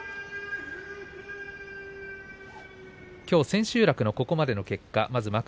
きょう千秋楽のここまでの結果です。